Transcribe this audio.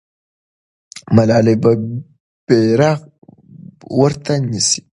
ملالۍ به بیرغ ورته نیسي.